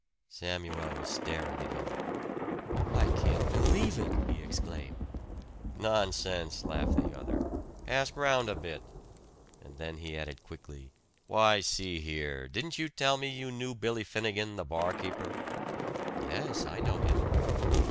Samuel was staring at him. "I can't believe it!" he exclaimed. "Nonsense!" laughed the other. "Ask round a bit!" And then he added quickly, "Why, see here didn't you tell me you knew Billy Finnegan the barkeeper?" "Yes, I know him."